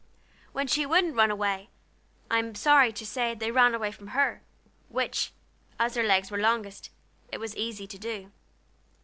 When she wouldn't run away, I am sorry to say they ran away from her, which, as their legs were longest, it was easy to do.